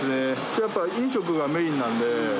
やっぱ飲食がメインなんで。